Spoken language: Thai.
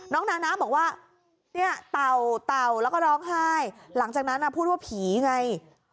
น้องนานะบอกว่าเท่าแล้วก็ร้องไห้หลังจากนั้นพูดว่าผีไง